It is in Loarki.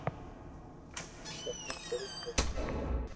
ھين سبو ڪوئي سوچو ھي